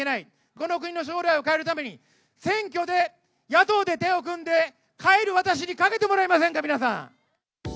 この国の将来を変えるために、選挙で、野党で手を組んで変える私に賭けてもらえませんか、皆さん。